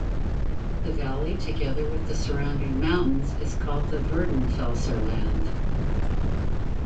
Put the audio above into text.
The valley together with the surrounding mountains is called the Werdenfelser Land.